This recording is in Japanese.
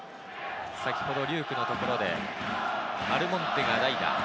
先ほど龍空のところで、アルモンテが代打。